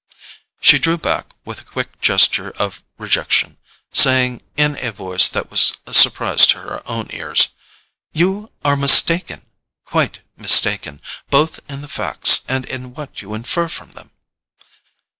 She drew back with a quick gesture of rejection, saying, in a voice that was a surprise to her own ears: "You are mistaken—quite mistaken—both in the facts and in what you infer from them."